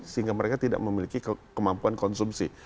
sehingga mereka tidak memiliki kemampuan konsumsi